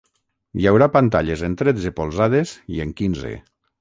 Hi haurà pantalles en tretze polzades i en quinze.